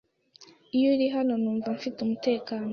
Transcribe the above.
Iyo uri hano, numva mfite umutekano.